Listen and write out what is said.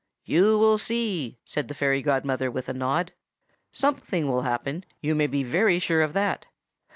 "'You will see!' said the fairy godmother, with a nod. 'Something will happen, you may be very sure of that.